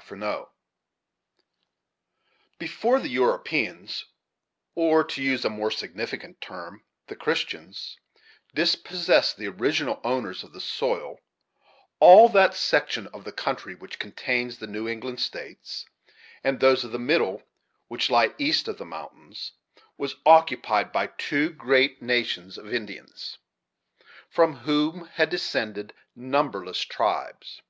Freneau. Before the Europeans, or, to use a more significant term, the Christians, dispossessed the original owners of the soil, all that section of country which contains the New England States, and those of the Middle which lie east of the mountains, was occupied by two great nations of Indians, from whom had descended numberless tribes.